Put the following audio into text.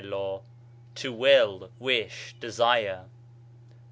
θέλω, to will, wish, desire.